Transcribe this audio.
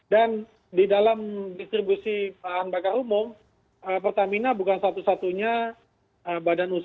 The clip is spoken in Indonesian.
dan di dalam distribusi bahan bakar umum pertamina bukan satu satunya ya yang turun